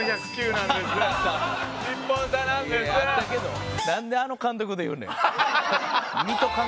なんであの監督出てくるねん。